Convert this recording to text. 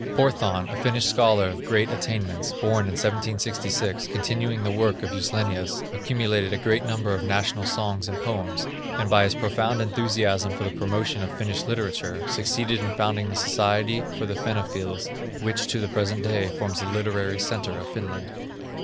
Porthan, a Finnish scholar of great attainments, born in 1766, continuing the work of Juslenius, accumulated a great number of national songs and poems, and by his profound enthusiasm for the promotion of Finnish literature, succeeded in founding the Society of the Fennophils, which to the present day, forms the literary centre of Finland.